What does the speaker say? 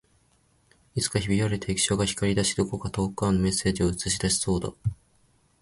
いつかひび割れた液晶が光り出し、どこか遠くからのメッセージを映し出しそうだった